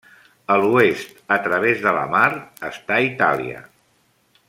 A l'oest, a través de la mar, està Itàlia.